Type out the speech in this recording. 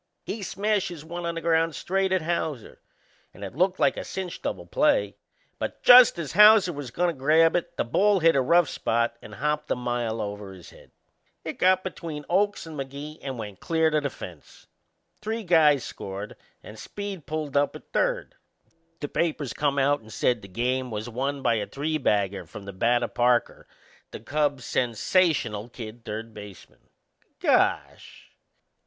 He smashes one on the ground straight at Hauser and it looked like a cinch double play; but just as Hauser was goin' to grab it the ball hit a rough spot and hopped a mile over his head. It got between Oakes and Magee and went clear to the fence. Three guys scored and Speed pulled up at third. The papers come out and said the game was won by a three bagger from the bat o' Parker, the Cubs' sensational kid third baseman. Gosh!